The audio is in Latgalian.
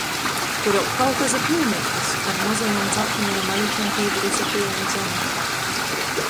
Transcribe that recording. Kur aug Kaukaza plūmeitis — ar mozajom, dzaltonajom aličom pībyruse pylna zeme.